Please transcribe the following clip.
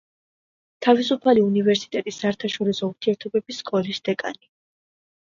თავისუფალი უნივერსიტეტის საერთაშორისო ურთიერთობების სკოლის დეკანი.